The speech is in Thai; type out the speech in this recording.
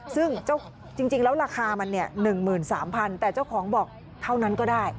ซึ่งจริงแล้วราคามัน๑๓๐๐แต่เจ้าของบอกเท่านั้นก็ได้